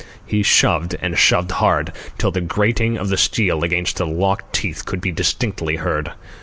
He shoved, and shoved hard, till the grating of the steel against the locked teeth could be distinctly heard.